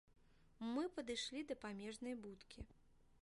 Мы падышлі да памежнай будкі.